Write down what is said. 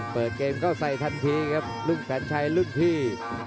เปิดเกมก็ใส่ทันทีครับรุ่งสันชัยรุ่งพี่